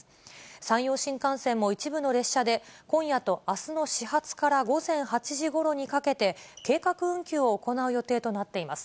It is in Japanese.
山陽新幹線も一部の列車で、今夜とあすの始発から午前８時ごろにかけて、計画運休を行う予定となっています。